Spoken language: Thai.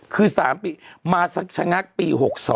คือ๓ปีมาสักชะงักปี๖๒